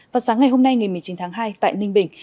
vào sáng ngày hôm nay ngày một mươi chín tháng hai tại ninh bình